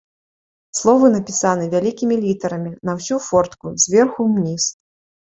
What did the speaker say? Словы напісаны вялікімі літарамі, на ўсю фортку, зверху ўніз.